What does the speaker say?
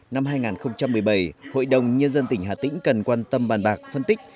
năm hai nghìn một mươi bảy hội đồng nhân dân tỉnh hà tĩnh cần quan tâm bàn bạc phân tích